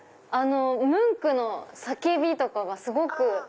ムンクの『叫び』とかがすごく。